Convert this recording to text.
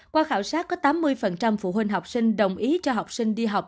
qua khảo sát có tám mươi phụ huynh học sinh đồng ý cho học sinh đi học